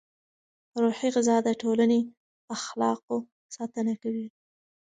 روحي غذا د ټولنې اخلاقو ساتنه کوي.